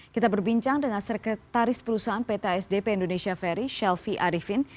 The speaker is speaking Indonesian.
kita berbincang dengan sekretaris perusahaan pt sdp indonesia ferry shelfie arifin